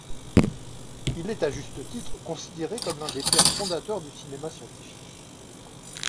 Il est à juste titre considéré comme l'un des pères fondateurs du cinéma scientifique.